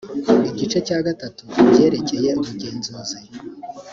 igice cya gatatu ibyerekeye ubugenzuzi